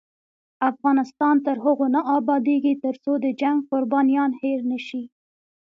افغانستان تر هغو نه ابادیږي، ترڅو د جنګ قربانیان هیر نشي.